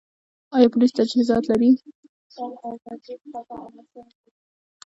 آیا پولیس تجهیزات لري؟